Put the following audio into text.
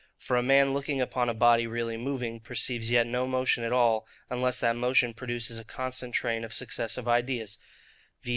For a man looking upon a body really moving, perceives yet no motion at all unless that motion produces a constant train of successive ideas: v.